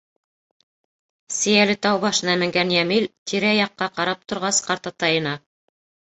Сейәлетау башына менгән Йәмил тирә-яҡҡа ҡарап торғас, ҡартатайына: